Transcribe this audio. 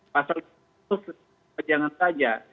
pasal itu jangan saja